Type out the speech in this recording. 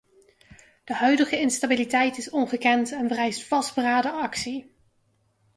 De huidige instabiliteit is ongekend en vereist vastberaden actie.